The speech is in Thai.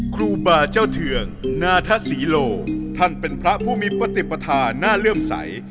ครูบาเจ้าเทืองนาทศรีโลท่านเป็นพระผู้มีปฏิปฐานน่าเลื่อมใส